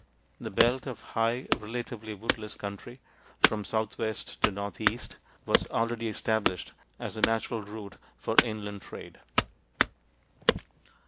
The belt of high, relatively woodless country, from southwest to northeast, was already established as a natural route for inland trade.